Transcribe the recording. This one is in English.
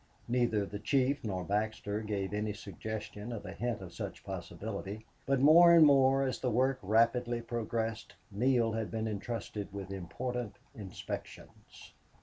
Neither the chief nor Baxter gave any suggestion of a hint of such possibility, but more and more, as the work rapidly progressed, Neale had been intrusted with important inspections.